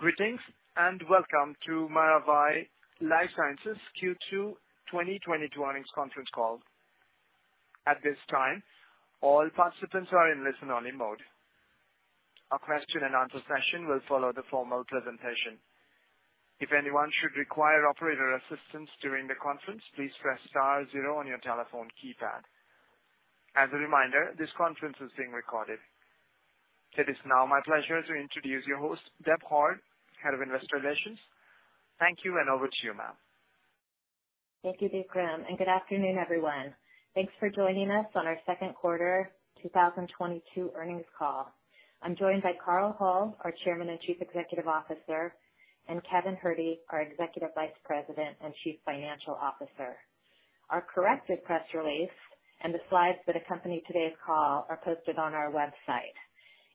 Greetings, and welcome to Maravai LifeSciences Q2 2022 earnings conference call. At this time, all participants are in listen-only mode. A question and answer session will follow the formal presentation. If anyone should require operator assistance during the conference, please press star zero on your telephone keypad. As a reminder, this conference is being recorded. It is now my pleasure to introduce your host, Deb Hart, Head of Investor Relations. Thank you, and over to you, ma'am. Thank you, Vikram, and good afternoon, everyone. Thanks for joining us on our second quarter 2022 earnings call. I'm joined by Carl Hull, our Chairman and Chief Executive Officer, and Kevin Herde, our Executive Vice President and Chief Financial Officer. Our corrected press release and the slides that accompany today's call are posted on our website.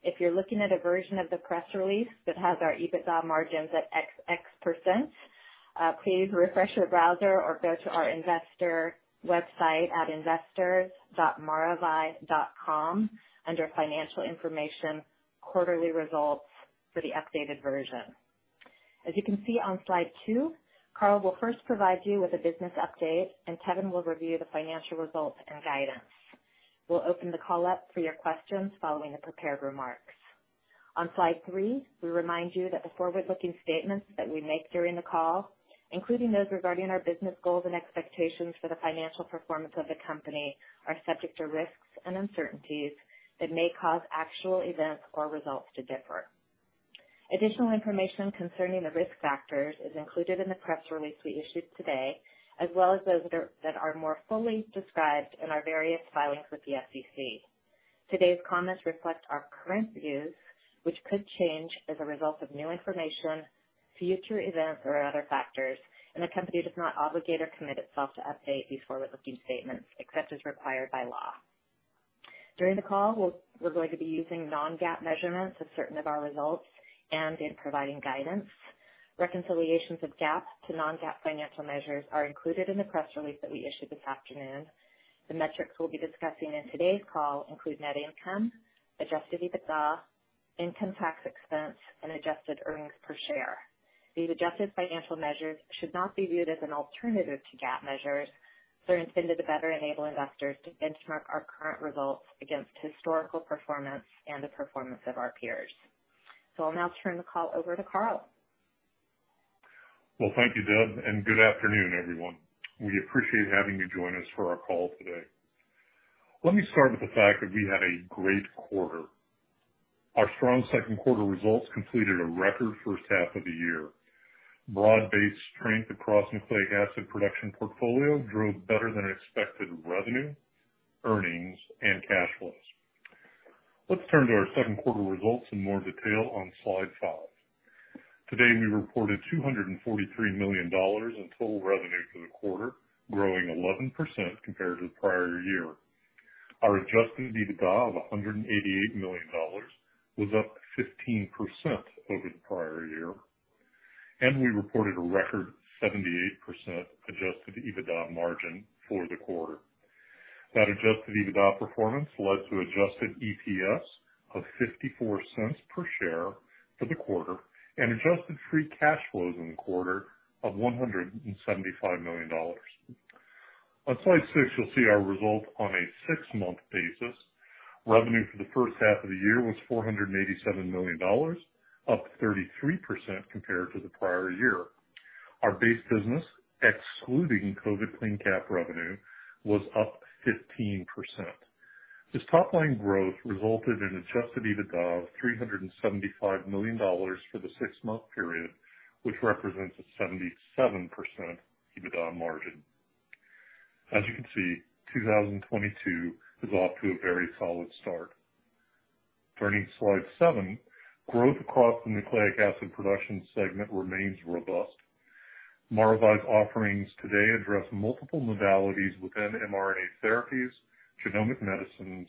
If you're looking at a version of the press release that has our EBITDA margins at XX%, please refresh your browser or go to our investor website at investors.maravai.com under Financial Information, Quarterly Results for the updated version. As you can see on slide two, Carl will first provide you with a business update, and Kevin will review the financial results and guidance. We'll open the call up for your questions following the prepared remarks. On slide three, we remind you that the forward-looking statements that we make during the call, including those regarding our business goals and expectations for the financial performance of the company, are subject to risks and uncertainties that may cause actual events or results to differ. Additional information concerning the risk factors is included in the press release we issued today, as well as those that are more fully described in our various filings with the SEC. Today's comments reflect our current views, which could change as a result of new information, future events, or other factors, and the company does not obligate or commit itself to update these forward-looking statements except as required by law. During the call, we're going to be using non-GAAP measurements of certain of our results and in providing guidance. Reconciliations of GAAP to non-GAAP financial measures are included in the press release that we issued this afternoon. The metrics we'll be discussing in today's call include net income, Adjusted EBITDA, income tax expense, and adjusted earnings per share. These adjusted financial measures should not be viewed as an alternative to GAAP measures. They're intended to better enable investors to benchmark our current results against historical performance and the performance of our peers. I'll now turn the call over to Carl. Well, thank you, Deb, and good afternoon, everyone. We appreciate having you join us for our call today. Let me start with the fact that we had a great quarter. Our strong second quarter results completed a record first half of the year. Broad-based strength across Nucleic Acid Production portfolio drove better than expected revenue, earnings, and cash flows. Let's turn to our second quarter results in more detail on slide five. Today, we reported $243 million in total revenue for the quarter, growing 11% compared to the prior year. Our Adjusted EBITDA of $188 million was up 15% over the prior year, and we reported a record 78% Adjusted EBITDA margin for the quarter. That adjusted EBITDA performance led to adjusted EPS of $0.54 per share for the quarter and adjusted free cash flows in the quarter of $175 million. On slide six, you'll see our results on a six-month basis. Revenue for the first half of the year was $487 million, up 33% compared to the prior year. Our base business, excluding COVID CleanCap revenue, was up 15%. This top line growth resulted in adjusted EBITDA of $375 million for the six-month period, which represents a 77% EBITDA margin. As you can see, 2022 is off to a very solid start. Turning to slide seven. Growth across the Nucleic Acid Production segment remains robust. Maravai's offerings today address multiple modalities within mRNA therapies, genomic medicines,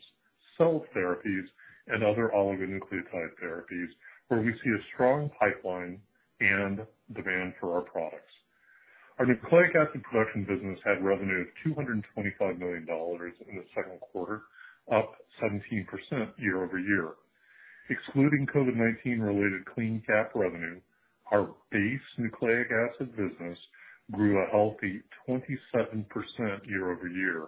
cell therapies, and other oligonucleotide therapies where we see a strong pipeline and demand for our products. Our Nucleic Acid Production business had revenue of $225 million in the second quarter, up 17% year-over-year. Excluding COVID-19 related CleanCap revenue, our Base Nucleic Acid business grew a healthy 27% year-over-year,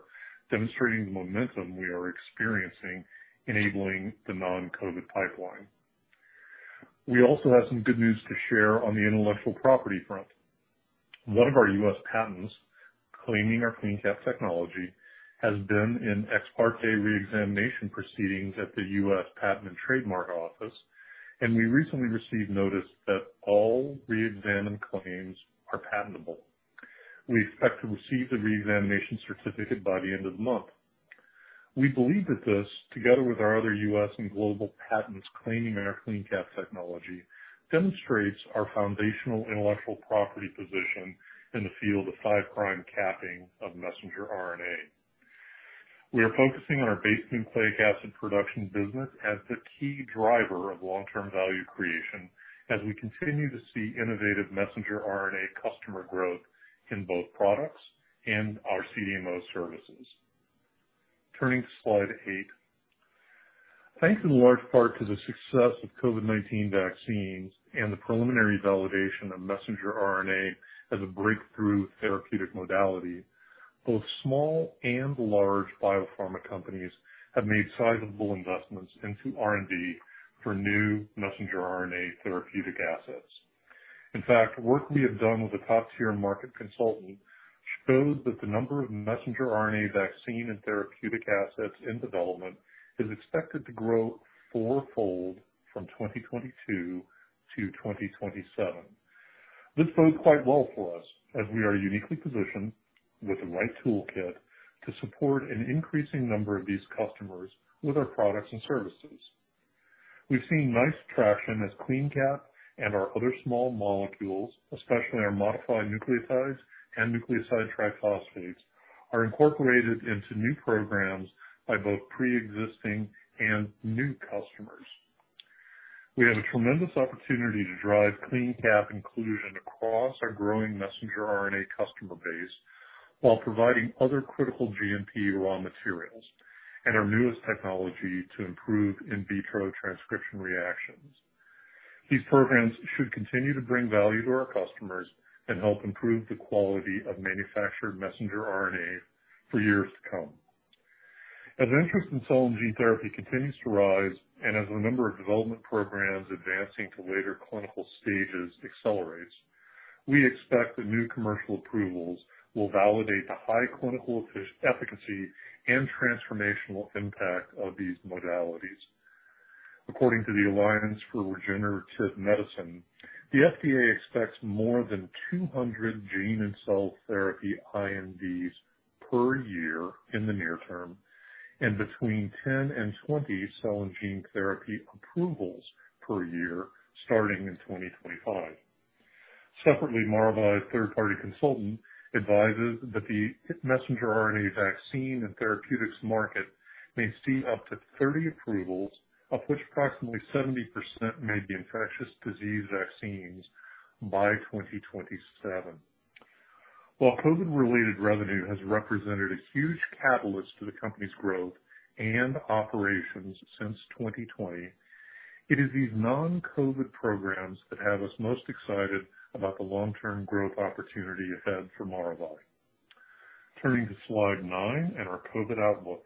demonstrating the momentum we are experiencing enabling the non-COVID pipeline. We also have some good news to share on the intellectual property front. One of our U.S. patents claiming our CleanCap technology has been in ex parte reexamination proceedings at the U.S. Patent and Trademark Office, and we recently received notice that all re-examined claims are patentable. We expect to receive the reexamination certificate by the end of the month. We believe that this, together with our other U.S. and global patents claiming our CleanCap technology, demonstrates our foundational intellectual property position in the field of five-prime capping of messenger RNA. We are focusing on our Base Nucleic Acid Production business as the key driver of long-term value creation as we continue to see innovative messenger RNA customer growth in both products and our CDMO services. Turning to slide eight. Thanks in large part to the success of COVID-19 vaccines and the preliminary validation of messenger RNA as a breakthrough therapeutic modality, both small and large biopharma companies have made sizable investments into R&D for new messenger RNA therapeutic assets. In fact, work we have done with a top-tier market consultant shows that the number of messenger RNA vaccine and therapeutic assets in development is expected to grow four-fold from 2022 to 2027. This bodes quite well for us as we are uniquely positioned with the right toolkit to support an increasing number of these customers with our products and services. We've seen nice traction as CleanCap and our other small molecules, especially our modified nucleotides and nucleoside triphosphates, are incorporated into new programs by both pre-existing and new customers. We have a tremendous opportunity to drive CleanCap inclusion across our growing messenger RNA customer base while providing other critical GMP raw materials and our newest technology to improve in vitro transcription reactions. These programs should continue to bring value to our customers and help improve the quality of manufactured messenger RNA for years to come. As interest in cell and gene therapy continues to rise, and as the number of development programs advancing to later clinical stages accelerates, we expect that new commercial approvals will validate the high clinical efficacy and transformational impact of these modalities. According to the Alliance for Regenerative Medicine, the FDA expects more than 200 gene and cell therapy INDs per year in the near term, and between 10 and 20 cell and gene therapy approvals per year starting in 2025. Separately, Maravai, a third-party consultant, advises that the messenger RNA vaccine and therapeutics market may see up to 30 approvals, of which approximately 70% may be infectious disease vaccines, by 2027. While COVID-related revenue has represented a huge catalyst to the company's growth and operations since 2020, it is these non-COVID programs that have us most excited about the long-term growth opportunity ahead for Maravai. Turning to slide nine and our COVID outlook.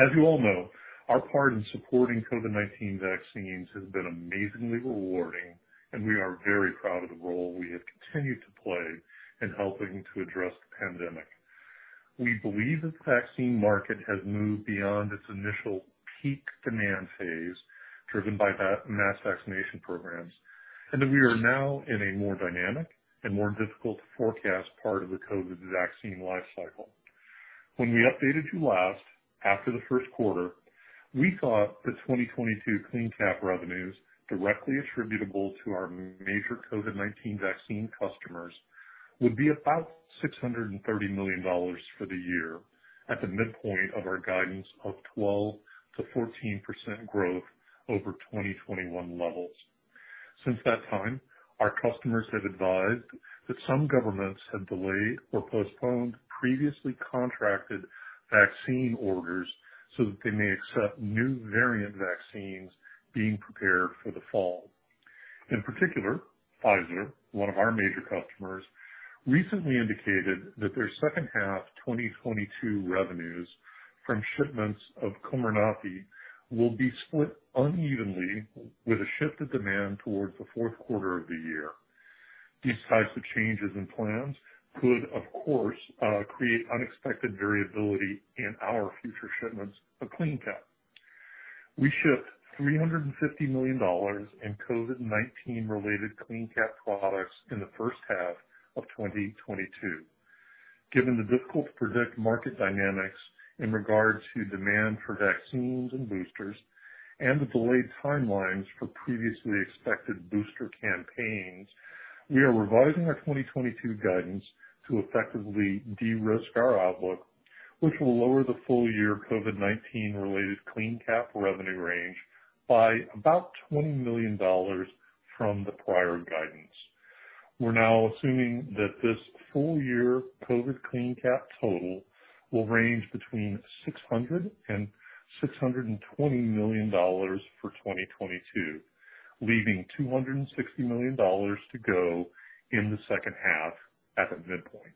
As you all know, our part in supporting COVID-19 vaccines has been amazingly rewarding, and we are very proud of the role we have continued to play in helping to address the pandemic. We believe that the vaccine market has moved beyond its initial peak demand phase, driven by mass vaccination programs, and that we are now in a more dynamic and more difficult to forecast part of the COVID vaccine lifecycle. When we updated you last after the first quarter, we thought that 2022 CleanCap revenues directly attributable to our major COVID-19 vaccine customers would be about $630 million for the year at the midpoint of our guidance of 12%-14% growth over 2021 levels. Since that time, our customers have advised that some governments have delayed or postponed previously contracted vaccine orders so that they may accept new variant vaccines being prepared for the fall. In particular, Pfizer, one of our major customers, recently indicated that their second half 2022 revenues from shipments of COMIRNATY will be split unevenly with a shift of demand towards the fourth quarter of the year. These types of changes in plans could, of course, create unexpected variability in our future shipments of CleanCap. We shipped $350 million in COVID-19 related CleanCap products in the first half of 2022. Given the difficult to predict market dynamics in regards to demand for vaccines and boosters and the delayed timelines for previously expected booster campaigns, we are revising our 2022 guidance to effectively de-risk our outlook, which will lower the full year COVID-19 related CleanCap revenue range by about $20 million from the prior guidance. We're now assuming that this full year COVID CleanCap total will range between $600 million and $620 million for 2022, leaving $260 million to go in the second half at the midpoint.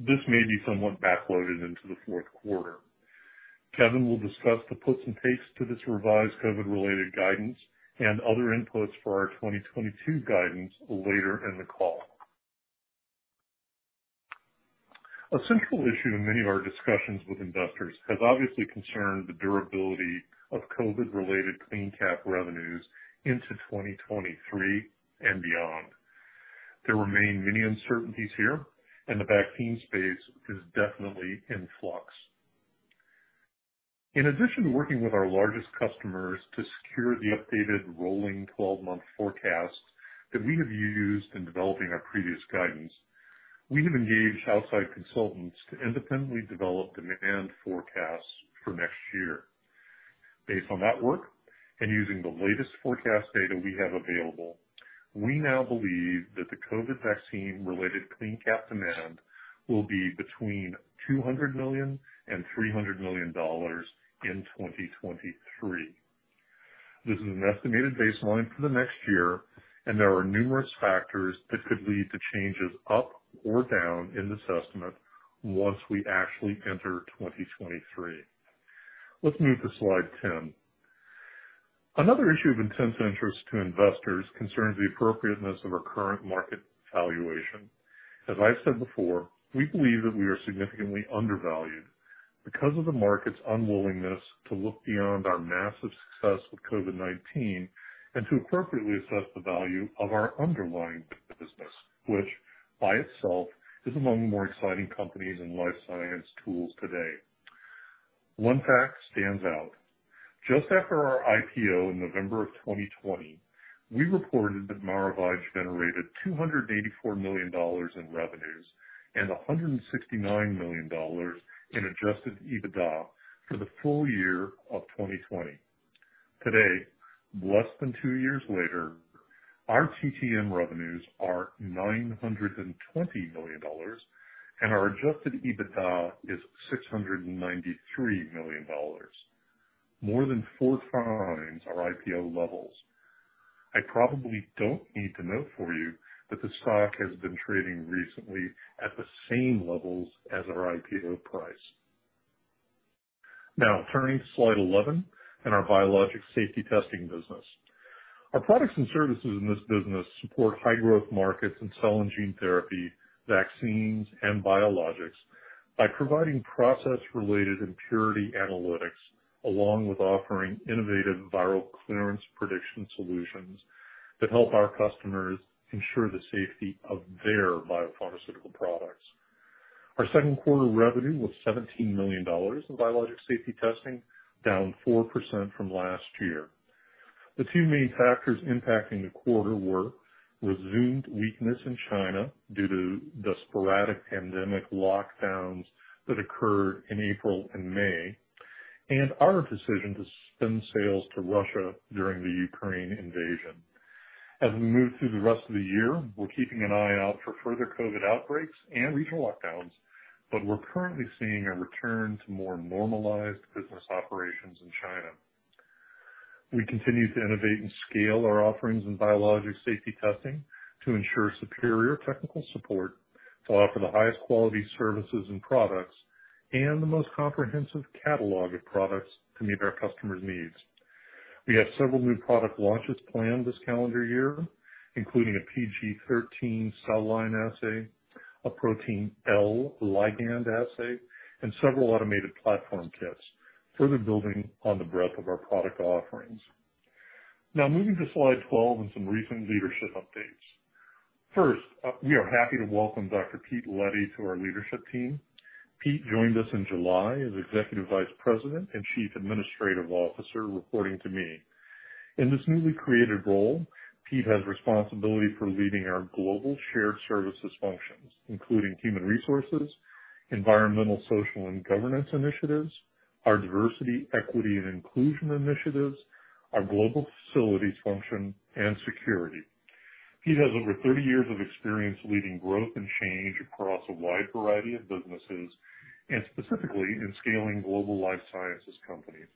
This may be somewhat backloaded into the fourth quarter. Kevin will discuss the puts and takes to this revised COVID-related guidance and other inputs for our 2022 guidance later in the call. A central issue in many of our discussions with investors has obviously concerned the durability of COVID-related CleanCap revenues into 2023 and beyond. There remain many uncertainties here, and the vaccine space is definitely in flux. In addition to working with our largest customers to secure the updated rolling 12-month forecast that we have used in developing our previous guidance, we have engaged outside consultants to independently develop demand forecasts for next year. Based on that work and using the latest forecast data we have available, we now believe that the COVID vaccine-related CleanCap demand will be between $200 million and $300 million in 2023. This is an estimated baseline for the next year, and there are numerous factors that could lead to changes up or down in this estimate once we actually enter 2023. Let's move to slide 10. Another issue of intense interest to investors concerns the appropriateness of our current market valuation. As I said before, we believe that we are significantly undervalued because of the market's unwillingness to look beyond our massive success with COVID-19 and to appropriately assess the value of our underlying business, which by itself is among the more exciting companies in life science tools today. One fact stands out. Just after our IPO in November of 2020, we reported that Maravai generated $284 million in revenues and $169 million in Adjusted EBITDA for the full year of 2020. Today, less than two years later, our TTM revenues are $920 million and our Adjusted EBITDA is $693 million, more than 4 times our IPO levels. I probably don't need to note for you that the stock has been trading recently at the same levels as our IPO price. Now turning to slide 11 and our Biologics Safety Testing business. Our products and services in this business support high growth markets in cell and gene therapy, vaccines, and biologics by providing process-related impurity analytics, along with offering innovative viral clearance prediction solutions that help our customers ensure the safety of their biopharmaceutical products. Our second quarter revenue was $17 million in Biologics Safety Testing, down 4% from last year. The two main factors impacting the quarter were resumed weakness in China due to the sporadic pandemic lockdowns that occurred in April and May, and our decision to stem sales to Russia during the Ukraine invasion. As we move through the rest of the year, we're keeping an eye out for further COVID outbreaks and regional lockdowns, but we're currently seeing a return to more normalized business operations in China. We continue to innovate and scale our offerings in Biologics Safety Testing to ensure superior technical support, to offer the highest quality services and products, and the most comprehensive catalog of products to meet our customers' needs. We have several new product launches planned this calendar year, including a PG13 cell line assay, a Protein L ligand assay, and several automated platform kits, further building on the breadth of our product offerings. Now moving to slide 12 and some recent leadership updates. First, we are happy to welcome Dr. Pete Leddy to our leadership team. Pete joined us in July as Executive Vice President and Chief Administrative Officer, reporting to me. In this newly created role, Pete has responsibility for leading our global shared services functions, including human resources, environmental, social and governance initiatives, our diversity, equity and inclusion initiatives, our global facilities function, and security. Pete has over 30 years of experience leading growth and change across a wide variety of businesses and specifically in scaling global life sciences companies.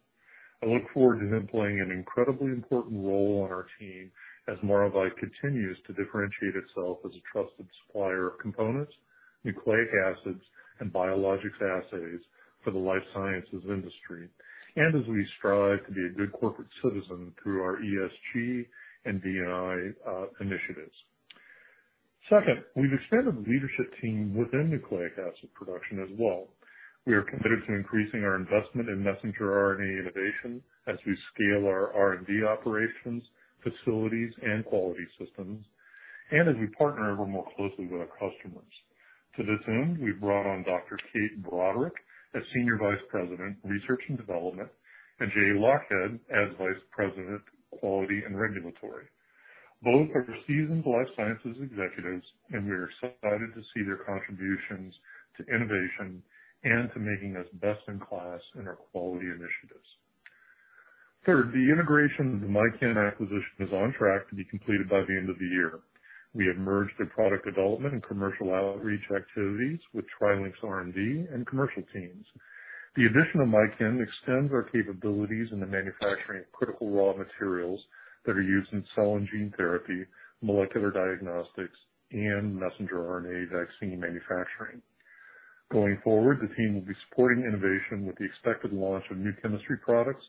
I look forward to him playing an incredibly important role on our team as Maravai continues to differentiate itself as a trusted supplier of components, nucleic acids, and biologics assays for the life sciences industry, and as we strive to be a good corporate citizen through our ESG and DEI initiatives. Second, we've expanded the leadership team within Nucleic Acid Production as well. We are committed to increasing our investment in messenger RNA innovation as we scale our R&D operations, facilities, and quality systems, and as we partner ever more closely with our customers. To this end, we've brought on Dr. Kate Broderick as Senior Vice President, Research and Development, and Jay Lochhead as Vice President, Quality and Regulatory. Both are seasoned life sciences executives, and we are excited to see their contributions to innovation and to making us best in class in our quality initiatives. Third, the integration of the MyChem acquisition is on track to be completed by the end of the year. We have merged their product development and commercial outreach activities with TriLink's R&D and commercial teams. The addition of MyChem extends our capabilities in the manufacturing of critical raw materials that are used in cell and gene therapy, molecular diagnostics, and messenger RNA vaccine manufacturing. Going forward, the team will be supporting innovation with the expected launch of new chemistry products,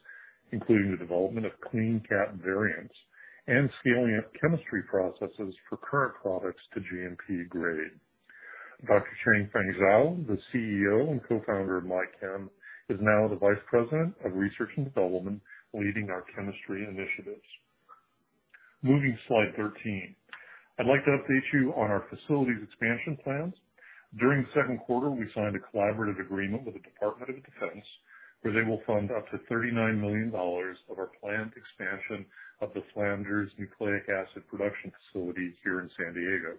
including the development of CleanCap variants and scaling up chemistry processes for current products to GMP grade. Dr. Chengfang Zhao, the CEO and co-founder of MyChem, is now the Vice President of Research and Development, leading our chemistry initiatives. Moving to slide 13. I'd like to update you on our facilities expansion plans. During the second quarter, we signed a collaborative agreement with the Department of Defense, where they will fund up to $39 million of our planned expansion of the Flanders Nucleic Acid Production facility here in San Diego.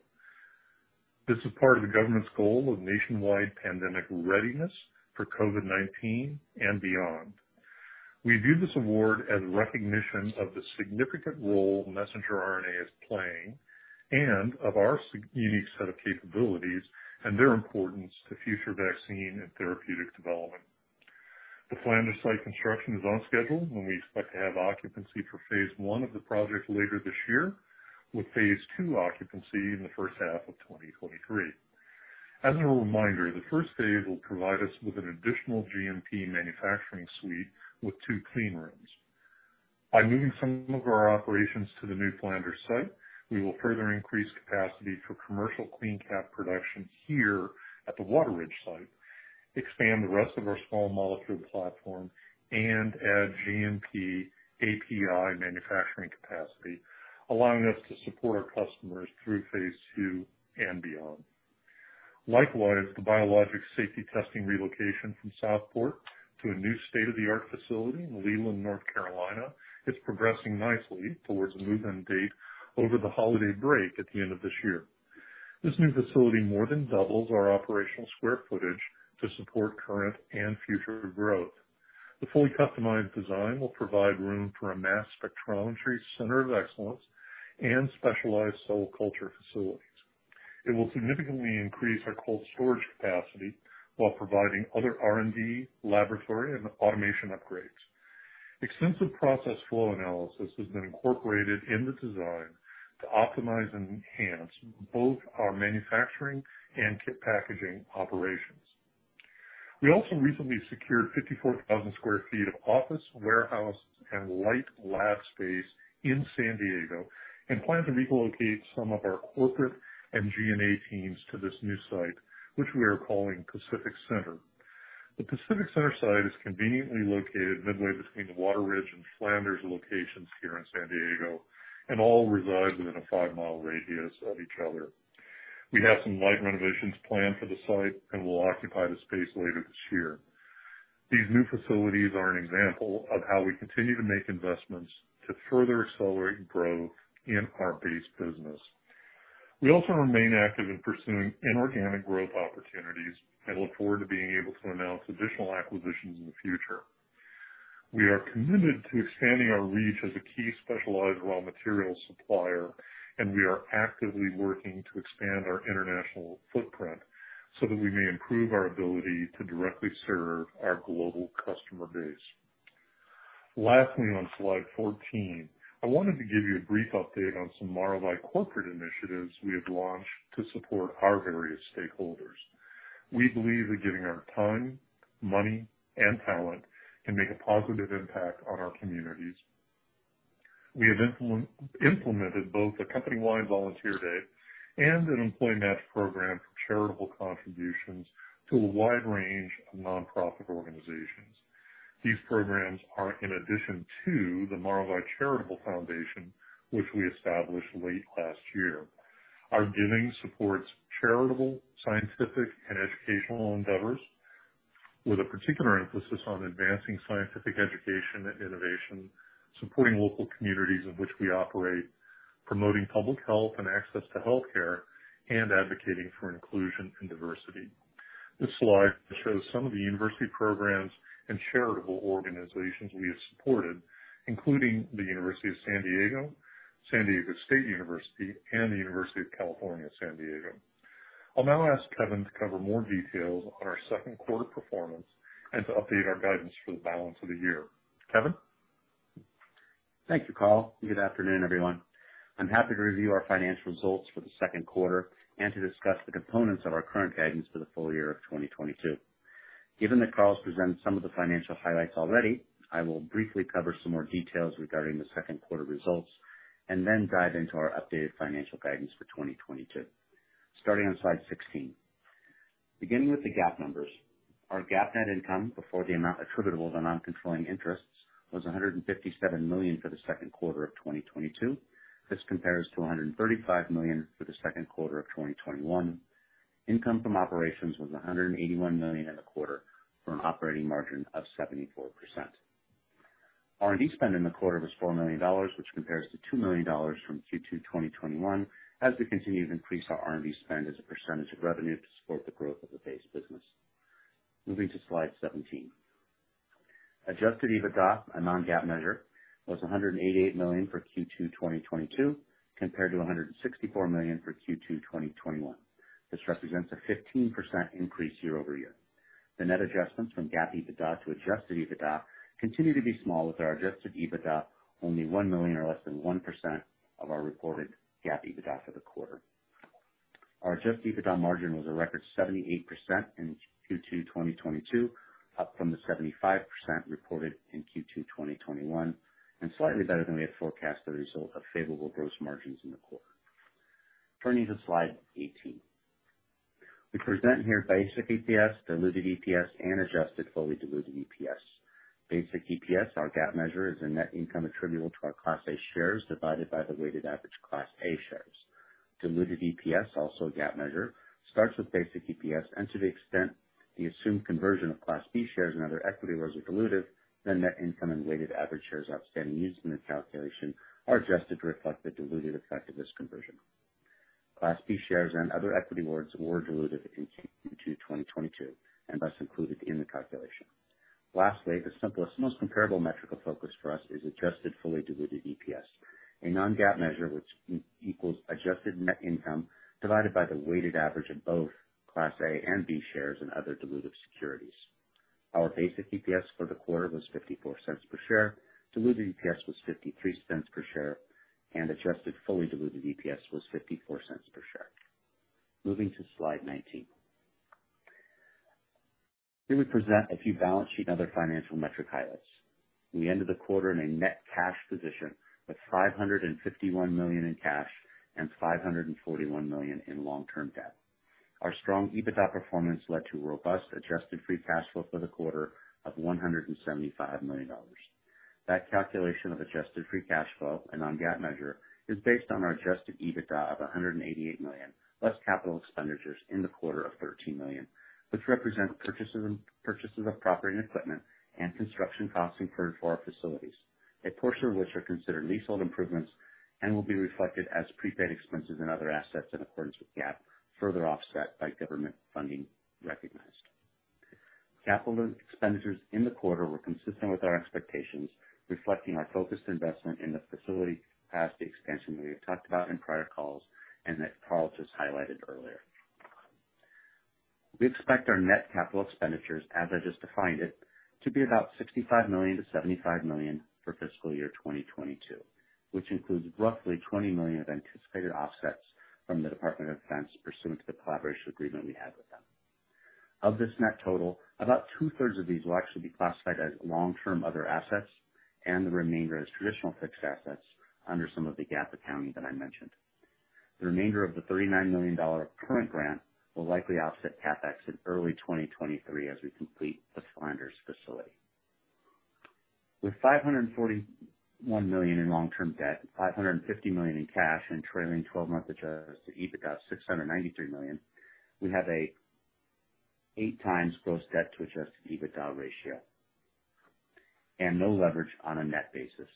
This is part of the government's goal of nationwide pandemic readiness for COVID-19 and beyond. We view this award as recognition of the significant role messenger RNA is playing and of our unique set of capabilities and their importance to future vaccine and therapeutic development. The Flanders site construction is on schedule, and we expect to have occupancy for phase I of the project later this year, with phase II occupancy in the first half of 2023. As a reminder, the first phase will provide us with an additional GMP manufacturing suite with two clean rooms. By moving some of our operations to the new Flanders site, we will further increase capacity for commercial CleanCap production here at the Water Ridge site, expand the rest of our small molecule platform, and add GMP API manufacturing capacity, allowing us to support our customers through phase II and beyond. Likewise, the Biologics Safety Testing relocation from Southport to a new state-of-the-art facility in Leland, North Carolina, is progressing nicely towards a move-in date over the holiday break at the end of this year. This new facility more than doubles our operational square footage to support current and future growth. The fully customized design will provide room for a mass spectrometry center of excellence and specialized cell culture facilities. It will significantly increase our cold storage capacity while providing other R&D laboratory and automation upgrades. Extensive process flow analysis has been incorporated in the design to optimize and enhance both our manufacturing and kit packaging operations. We also recently secured 54,000 sq ft of office, warehouse, and light lab space in San Diego and plan to relocate some of our corporate and G&A teams to this new site, which we are calling Pacific Center. The Pacific Center site is conveniently located midway between the Water Ridge and Flanders locations here in San Diego and all reside within a 5 mi radius of each other. We have some light renovations planned for the site and will occupy the space later this year. These new facilities are an example of how we continue to make investments to further accelerate growth in our base business. We also remain active in pursuing inorganic growth opportunities and look forward to being able to announce additional acquisitions in the future. We are committed to expanding our reach as a key specialized raw material supplier, and we are actively working to expand our international footprint so that we may improve our ability to directly serve our global customer base. Lastly, on slide 14, I wanted to give you a brief update on some Maravai corporate initiatives we have launched to support our various stakeholders. We believe that giving our time, money, and talent can make a positive impact on our communities. We have implemented both a company-wide volunteer day and an employee match program for charitable contributions to a wide range of nonprofit organizations. These programs are in addition to the Maravai LifeSciences Foundation, which we established late last year. Our giving supports charitable, scientific, and educational endeavors with a particular emphasis on advancing scientific education and innovation, supporting local communities in which we operate, promoting public health and access to healthcare, and advocating for inclusion and diversity. This slide shows some of the university programs and charitable organizations we have supported, including the University of San Diego, San Diego State University, and the University of California San Diego. I'll now ask Kevin to cover more details on our second quarter performance and to update our guidance for the balance of the year. Kevin? Thank you, Carl. Good afternoon, everyone. I'm happy to review our financial results for the second quarter and to discuss the components of our current guidance for the full year of 2022. Given that Carl's presented some of the financial highlights already, I will briefly cover some more details regarding the second quarter results and then dive into our updated financial guidance for 2022. Starting on slide 16. Beginning with the GAAP numbers, our GAAP net income before the amount attributable to non-controlling interests was $157 million for the second quarter of 2022. This compares to $135 million for the second quarter of 2021. Income from operations was $181 million in the quarter for an operating margin of 74%. R&D spend in the quarter was $4 million, which compares to $2 million from Q2 2021 as we continue to increase our R&D spend as a percentage of revenue to support the growth of the base business. Moving to slide 17. Adjusted EBITDA, a non-GAAP measure, was $188 million for Q2 2022, compared to $164 million for Q2 2021. This represents a 15% increase year-over-year. The net adjustments from GAAP EBITDA to Adjusted EBITDA continue to be small, with our Adjusted EBITDA only $1 million or less than 1% of our reported GAAP EBITDA for the quarter. Our Adjusted EBITDA margin was a record 78% in Q2 2022, up from the 75% reported in Q2 2021, and slightly better than we had forecasted as a result of favorable gross margins in the quarter. Turning to slide 18. We present here basic EPS, diluted EPS, and adjusted fully diluted EPS. Basic EPS, our GAAP measure, is the net income attributable to our Class A shares divided by the weighted average Class A shares. Diluted EPS, also a GAAP measure, starts with basic EPS and to the extent the assumed conversion of Class B shares and other equity was dilutive, then net income and weighted average shares outstanding used in the calculation are adjusted to reflect the dilutive effect of this conversion. Class B shares and other equity awards were dilutive in Q2 2022 and thus included in the calculation. Lastly, the simplest, most comparable metric of focus for us is adjusted fully diluted EPS, a non-GAAP measure which equals adjusted net income divided by the weighted average of both Class A and B shares and other dilutive securities. Our basic EPS for the quarter was $0.54 per share, diluted EPS was $0.53 per share, and adjusted fully diluted EPS was $0.54 per share. Moving to slide 19. Here we present a few balance sheet and other financial metric highlights. We ended the quarter in a net cash position with $551 million in cash and $541 million in long-term debt. Our strong EBITDA performance led to robust adjusted free cash flow for the quarter of $175 million. That calculation of adjusted free cash flow, a non-GAAP measure, is based on our Adjusted EBITDA of $188 million, less capital expenditures in the quarter of $13 million, which represent purchases of property and equipment and construction costs incurred for our facilities, a portion of which are considered leasehold improvements and will be reflected as prepaid expenses and other assets in accordance with GAAP, further offset by government funding recognized. Capital expenditures in the quarter were consistent with our expectations, reflecting our focused investment in the facility capacity expansion that we have talked about in prior calls and that Carl just highlighted earlier. We expect our net capital expenditures, as I just defined it, to be about $65 million-$75 million for fiscal year 2022, which includes roughly $20 million of anticipated offsets from the Department of Defense pursuant to the collaboration agreement we have with them. Of this net total, about 2/3 of these will actually be classified as long-term other assets and the remainder as traditional fixed assets under some of the GAAP accounting that I mentioned. The remainder of the $39 million current grant will likely offset CapEx in early 2023 as we complete the Flanders facility. With $541 million in long-term debt, $550 million in cash, and trailing 12-month Adjusted EBITDA of $693 million, we have a 8x gross debt to Adjusted EBITDA ratio and no leverage on a net basis.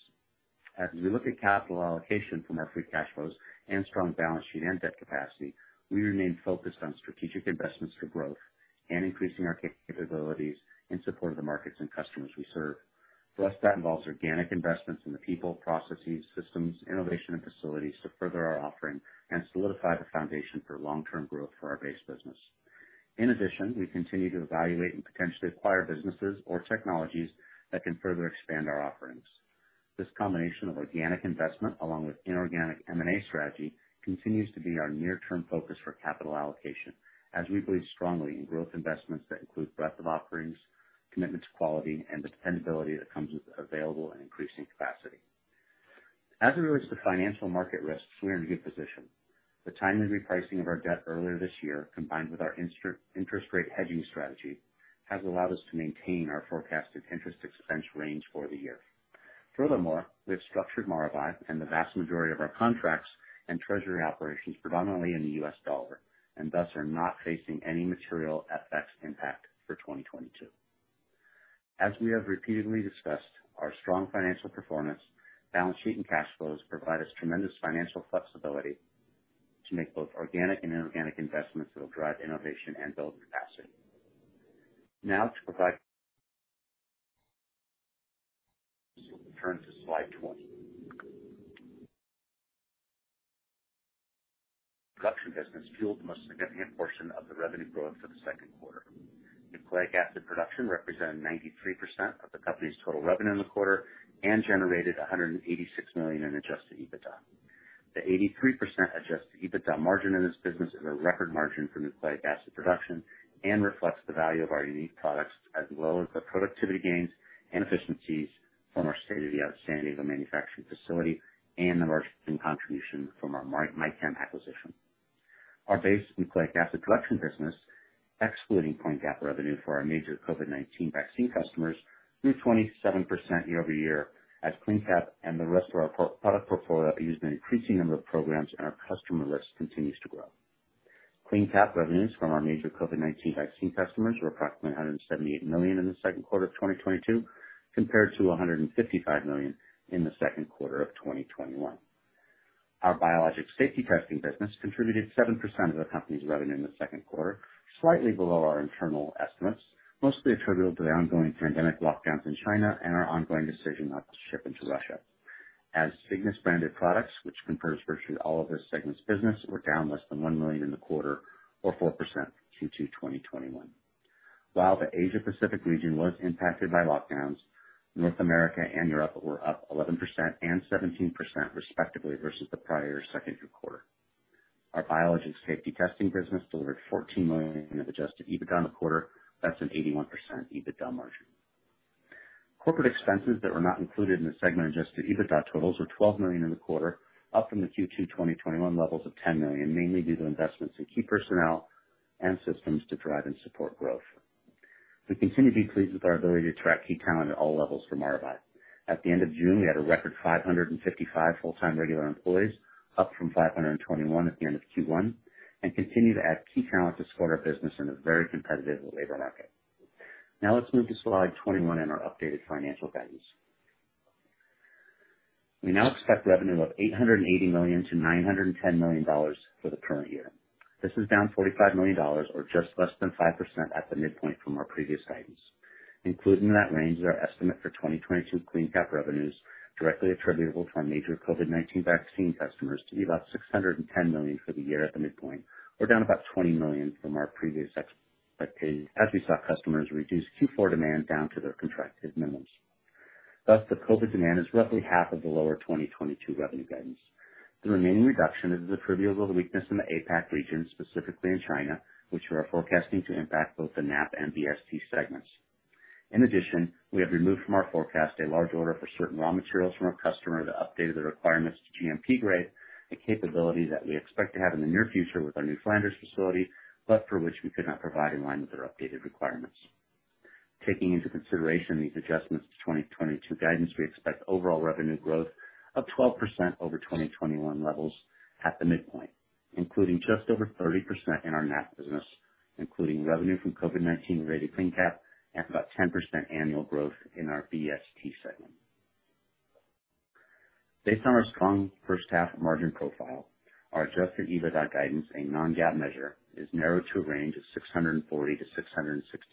As we look at capital allocation from our free cash flows and strong balance sheet and debt capacity, we remain focused on strategic investments for growth and increasing our capabilities in support of the markets and customers we serve. For us, that involves organic investments in the people, processes, systems, innovation, and facilities to further our offering and solidify the foundation for long-term growth for our base business. In addition, we continue to evaluate and potentially acquire businesses or technologies that can further expand our offerings. This combination of organic investment along with inorganic M&A strategy continues to be our near-term focus for capital allocation, as we believe strongly in growth investments that include breadth of offerings, commitment to quality, and the dependability that comes with available and increasing capacity. As it relates to financial market risks, we are in a good position. The timely repricing of our debt earlier this year, combined with our interest rate hedging strategy, has allowed us to maintain our forecasted interest expense range for the year. Furthermore, we have structured Maravai and the vast majority of our contracts and treasury operations predominantly in the U.S. dollar, and thus are not facing any material FX impact for 2022. As we have repeatedly discussed, our strong financial performance, balance sheet and cash flows provide us tremendous financial flexibility to make both organic and inorganic investments that will drive innovation and build capacity. Now, to provide, turn to slide 20. Production business fueled the most significant portion of the revenue growth for the second quarter. Nucleic acid production represented 93% of the company's total revenue in the quarter and generated $186 million in Adjusted EBITDA. The 83% Adjusted EBITDA margin in this business is a record margin for Nucleic Acid Production and reflects the value of our unique products, as well as the productivity gains and efficiencies from our state-of-the-art San Diego manufacturing facility and the margin contribution from our MyChem acquisition. Our Base Nucleic Acid Production business, excluding CleanCap revenue for our major COVID-19 vaccine customers, grew 27% year-over-year as CleanCap and the rest of our proprietary product portfolio are used in an increasing number of programs and our customer list continues to grow. CleanCap revenues from our major COVID-19 vaccine customers were approximately $178 million in the second quarter of 2022, compared to $155 million in the second quarter of 2021. Our Biologics Safety Testing business contributed 7% of the company's revenue in the second quarter, slightly below our internal estimates, mostly attributable to the ongoing pandemic lockdowns in China and our ongoing decision not to ship into Russia. Cygnus-branded products, which comprise virtually all of this segment's business, were down less than $1 million in the quarter, or 4% Q2 2021. While the Asia Pacific region was impacted by lockdowns, North America and Europe were up 11% and 17% respectively versus the prior second quarter. Our Biologics Safety Testing business delivered $14 million in Adjusted EBITDA in the quarter. That's an 81% EBITDA margin. Corporate expenses that were not included in the segment Adjusted EBITDA totals were $12 million in the quarter, up from the Q2 2021 levels of $10 million, mainly due to investments in key personnel and systems to drive and support growth. We continue to be pleased with our ability to attract key talent at all levels for Maravai. At the end of June, we had a record 555 full-time regular employees, up from 521 at the end of Q1, and continue to add key talent to support our business in a very competitive labor market. Now let's move to slide 21 and our updated financial guidance. We now expect revenue of $880 million-$910 million for the current year. This is down $45 million or just less than 5% at the midpoint from our previous guidance. Included in that range is our estimate for 2022 CleanCap revenues directly attributable to our major COVID-19 vaccine customers to be about $610 million for the year at the midpoint, or down about $20 million from our previous expectations as we saw customers reduce Q4 demand down to their contracted minimums. Thus, the COVID demand is roughly half of the lower 2022 revenue guidance. The remaining reduction is attributable to weakness in the APAC region, specifically in China, which we are forecasting to impact both the NAP and BST segments. In addition, we have removed from our forecast a large order for certain raw materials from a customer that updated the requirements to GMP grade, a capability that we expect to have in the near future with our new Flanders facility, but for which we could not provide in line with their updated requirements. Taking into consideration these adjustments to 2022 guidance, we expect overall revenue growth of 12% over 2021 levels at the midpoint, including just over 30% in our NAP business, including revenue from COVID-19-ready CleanCap at about 10% annual growth in our BST segment. Based on our strong first half margin profile, our Adjusted EBITDA guidance, a non-GAAP measure, is narrowed to a range of $640 million-$660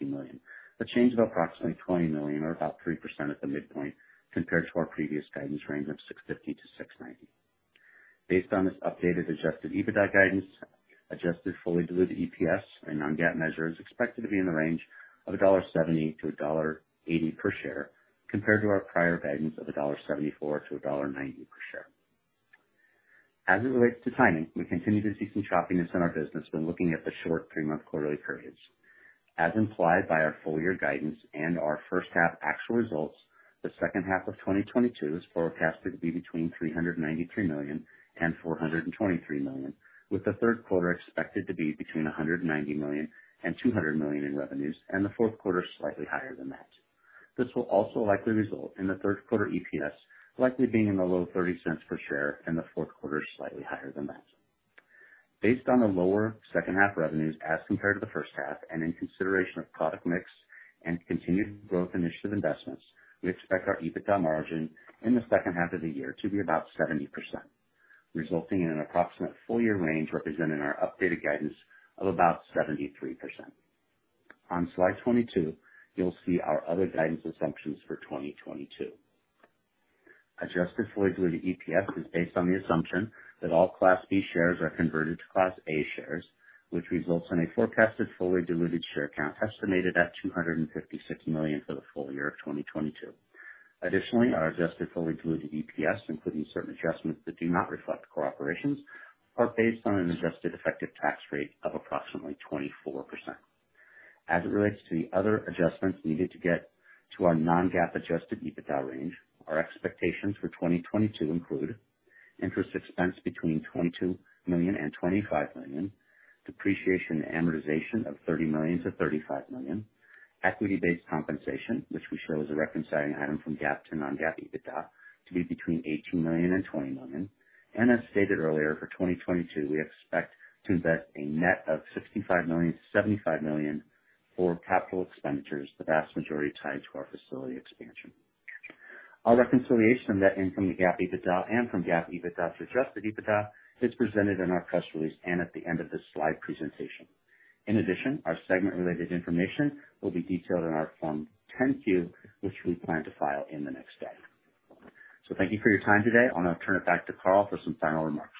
million, a change of approximately $20 million or about 3% at the midpoint compared to our previous guidance range of $650 million-$690 million. Based on this updated Adjusted EBITDA guidance, adjusted fully diluted EPS, a non-GAAP measure, is expected to be in the range of $1.70-$1.80 per share, compared to our prior guidance of $1.74-$1.90 per share. As it relates to timing, we continue to see some choppiness in our business when looking at the short three-month quarterly periods. As implied by our full year guidance and our first half actual results, the second half of 2022 is forecasted to be between $393 million and $423 million, with the third quarter expected to be between $190 million and $200 million in revenues and the fourth quarter slightly higher than that. This will also likely result in the third quarter EPS likely being in the low $0.30 per share and the fourth quarter slightly higher than that. Based on the lower second half revenues as compared to the first half and in consideration of product mix and continued growth initiative investments, we expect our EBITDA margin in the second half of the year to be about 70%, resulting in an approximate full year range represented in our updated guidance of about 73%. On slide 22, you'll see our other guidance assumptions for 2022. Adjusted fully diluted EPS is based on the assumption that all Class B shares are converted to Class A shares, which results in a forecasted fully diluted share count estimated at 256 million for the full year of 2022. Additionally, our adjusted fully diluted EPS, including certain adjustments that do not reflect cooperations, are based on an adjusted effective tax rate of approximately 24%. As it relates to the other adjustments needed to get to our non-GAAP Adjusted EBITDA range, our expectations for 2022 include interest expense between $22 million and $25 million, depreciation and amortization of $30 million-$35 million, equity-based compensation, which we show as a reconciling item from GAAP to non-GAAP EBITDA to be between $18 million and $20 million. As stated earlier, for 2022, we expect to invest a net of $65 million-$75 million for capital expenditures, the vast majority tied to our facility expansion. Our reconciliation of net income to GAAP EBITDA and from GAAP EBITDA to Adjusted EBITDA is presented in our press release and at the end of this slide presentation. In addition, our segment-related information will be detailed in our Form 10-Q, which we plan to file in the next day. Thank you for your time today. I'll now turn it back to Carl for some final remarks.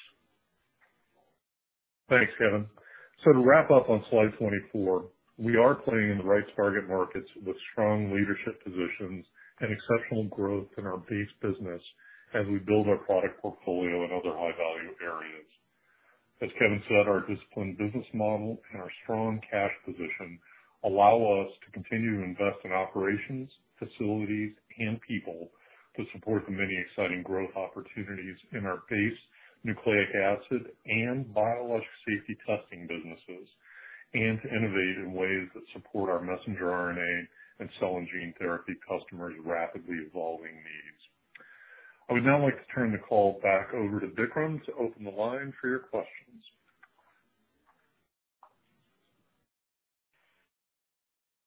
Thanks, Kevin. To wrap up on slide 24, we are playing in the right target markets with strong leadership positions and exceptional growth in our base business as we build our product portfolio in other high-value areas. As Kevin said, our disciplined business model and our strong cash position allow us to continue to invest in operations, facilities, and people to support the many exciting growth opportunities in our Base Nucleic Acid and Biologic Safety Testing businesses and to innovate in ways that support our messenger RNA and cell and gene therapy customers' rapidly evolving needs. I would now like to turn the call back over to Vikram to open the line for your questions.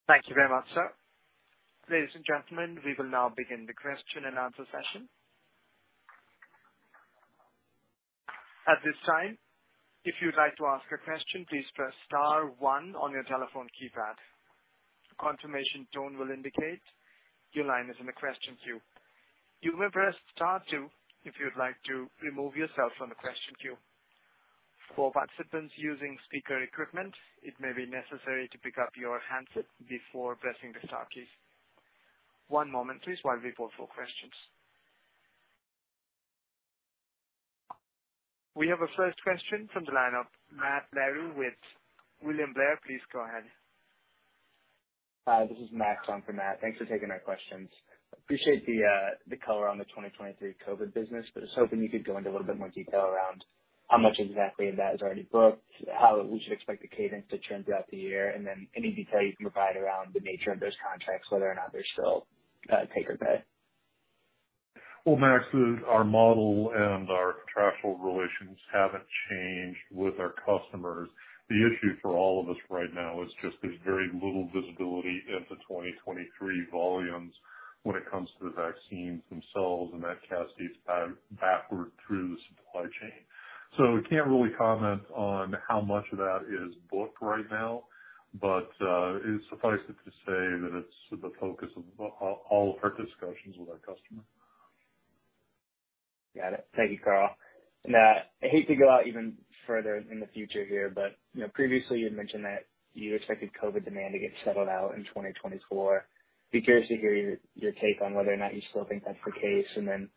Thank you very much, sir. Ladies and gentlemen, we will now begin the question and answer session. At this time, if you'd like to ask a question, please press star one on your telephone keypad. A confirmation tone will indicate your line is in the question queue. You may press star two if you'd like to remove yourself from the question queue. For participants using speaker equipment, it may be necessary to pick up your handset before pressing the star key. One moment please while we pull for questions. We have a first question from the line of Matt Larew with William Blair. Please go ahead. Hi, this is Max, short for Matt. Thanks for taking our questions. Appreciate the color on the 2023 COVID business, but I was hoping you could go into a little bit more detail around how much exactly of that is already booked. How we should expect the cadence to trend throughout the year. Any detail you can provide around the nature of those contracts, whether or not they're still take or pay. Well, Max, our model and our contractual relations haven't changed with our customers. The issue for all of us right now is just there's very little visibility into 2023 volumes when it comes to the vaccines themselves, and that cascades backward through the supply chain. We can't really comment on how much of that is booked right now, but suffice it to say that it's the focus of all of our discussions with our customers. Got it. Thank you, Carl. Now, I hate to go out even further in the future here, but, you know, previously you had mentioned that you expected COVID demand to get settled out in 2024. Be curious to hear your take on whether or not you still think that's the case, and then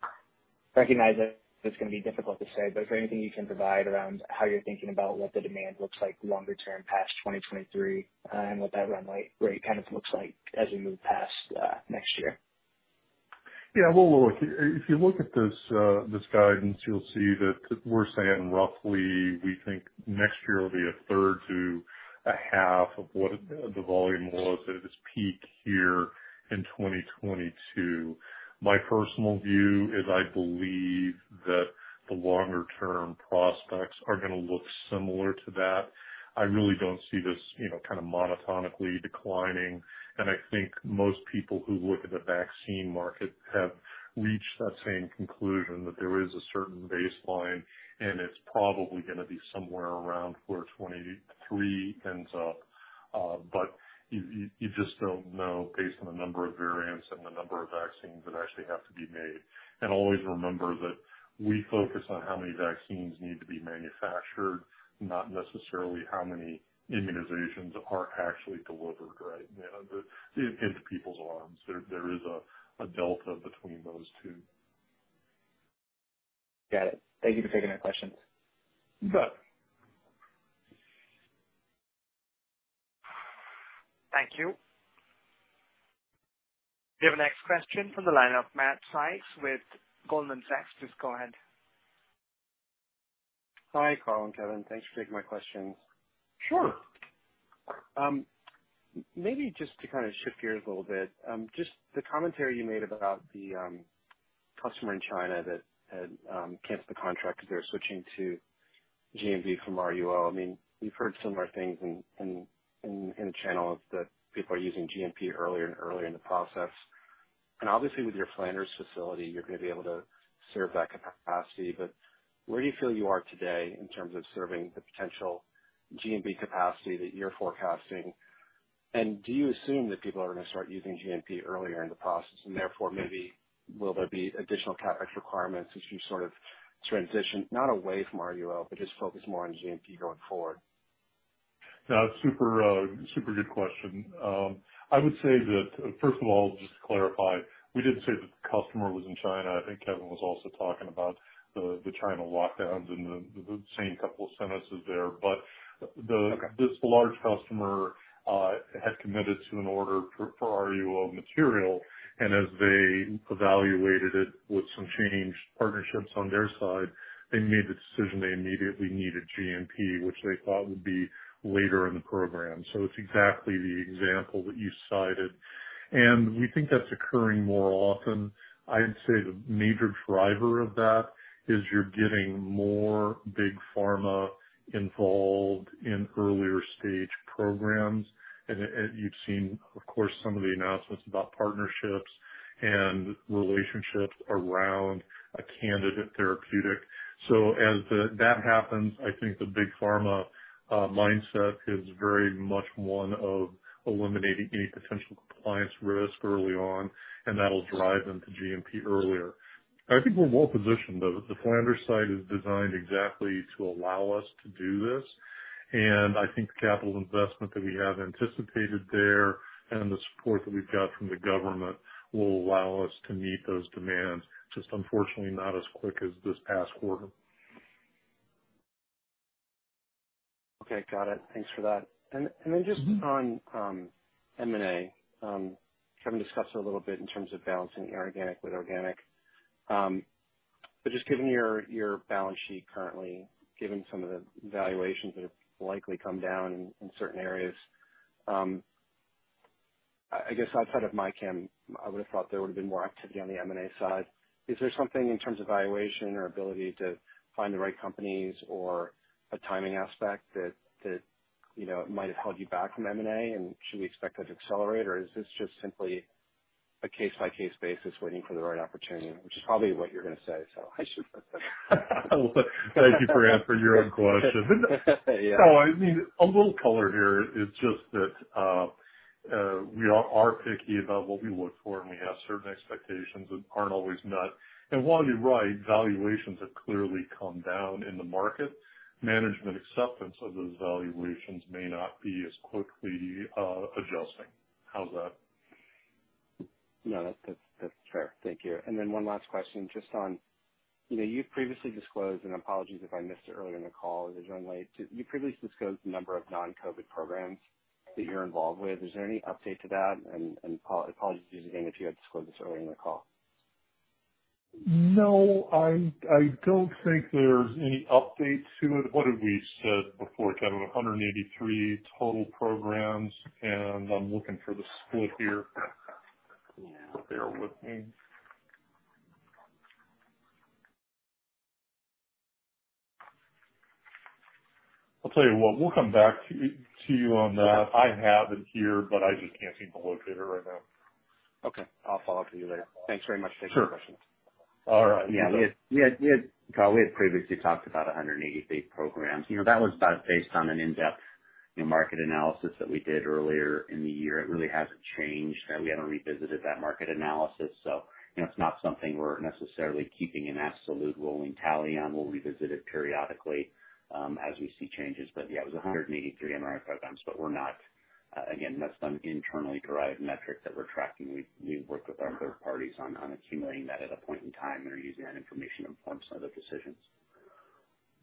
recognize that it's gonna be difficult to say, but is there anything you can provide around how you're thinking about what the demand looks like longer term past 2023, and what that runway rate kind of looks like as we move past next year? Yeah. Well, look, if you look at this guidance, you'll see that we're saying roughly, we think next year will be a third to a half of what the volume was at its peak here in 2022. My personal view is I believe that the longer term prospects are gonna look similar to that. I really don't see this, you know, kind of monotonically declining. I think most people who look at the vaccine market have reached that same conclusion that there is a certain baseline, and it's probably gonna be somewhere around where 2023 ends up. But you just don't know based on the number of variants and the number of vaccines that actually have to be made. Always remember that we focus on how many vaccines need to be manufactured, not necessarily how many immunizations are actually delivered, right? You know, into people's arms. There is a delta between those two. Got it. Thank you for taking my questions. You bet. Thank you. We have our next question from the line of Matt Sykes with Goldman Sachs. Please go ahead. Hi, Carl and Kevin. Thanks for taking my questions. Sure. Maybe just to kind of shift gears a little bit, just the commentary you made about the customer in China that had canceled the contract because they're switching to GMP from RUO. I mean, we've heard similar things in the channels that people are using GMP earlier and earlier in the process. Obviously with your Flanders facility, you're gonna be able to serve that capacity. Where do you feel you are today in terms of serving the potential GMP capacity that you're forecasting? Do you assume that people are gonna start using GMP earlier in the process and therefore maybe will there be additional CapEx requirements as you sort of transition, not away from RUO, but just focus more on GMP going forward? No, super good question. I would say that, first of all, just to clarify, we didn't say that the customer was in China. I think Kevin was also talking about the China lockdowns and the same couple sentences there. Okay. This large customer had committed to an order for RUO material, and as they evaluated it with some changed partnerships on their side, they made the decision they immediately needed GMP, which they thought would be later in the program. It's exactly the example that you cited. We think that's occurring more often. I'd say the major driver of that is you're getting more big pharma involved in earlier stage programs. You've seen, of course, some of the announcements about partnerships and relationships around a candidate therapeutic. As that happens, I think the big pharma mindset is very much one of eliminating any potential compliance risk early on, and that'll drive them to GMP earlier. I think we're well positioned, though. The Flanders site is designed exactly to allow us to do this, and I think the capital investment that we have anticipated there and the support that we've got from the government will allow us to meet those demands, just unfortunately not as quick as this past quarter. Okay. Got it. Thanks for that. Mm-hmm. On M&A, Kevin discussed it a little bit in terms of balancing inorganic with organic. Just given your balance sheet currently, given some of the valuations that have likely come down in certain areas, I guess outside of MyChem, I would have thought there would have been more activity on the M&A side. Is there something in terms of valuation or ability to find the right companies or a timing aspect that you know might have held you back from M&A, and should we expect that to accelerate? Or is this just simply a case-by-case basis waiting for the right opportunity? Which is probably what you're gonna say, so I should Thank you for answering your own question. Yeah. No, I mean, a little color here is just that, we are picky about what we look for, and we have certain expectations that aren't always met. While you're right, valuations have clearly come down in the market, management acceptance of those valuations may not be as quickly adjusting. How's that? No, that's fair. Thank you. One last question, just on, you know, you've previously disclosed, and apologies if I missed it earlier in the call, I joined late. You previously disclosed the number of non-COVID programs that you're involved with. Is there any update to that? Apologies again if you had disclosed this earlier in the call. No, I don't think there's any update to it. What have we said before, Kevin, 183 total programs, and I'm looking for the split here. Bear with me. I'll tell you what, we'll come back to you on that. I have it here, but I just can't seem to locate it right now. Okay. I'll follow up with you later. Thanks very much for taking the question. Sure. All right. Yeah. We had, Carl, previously talked about 188 programs. You know, that was about based on an in-depth, you know, market analysis that we did earlier in the year. It really hasn't changed. We haven't revisited that market analysis, so, you know, it's not something we're necessarily keeping an absolute rolling tally on. We'll revisit it periodically, as we see changes. Yeah, it was 183 mRNA programs. Again, that's some internally derived metrics that we're tracking. We've worked with our third-parties on accumulating that at a point in time and are using that information to inform some of the decisions.